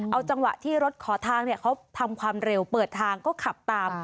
เอาจังหวะที่รถขอทางเขาทำความเร็วเปิดทางก็ขับตาม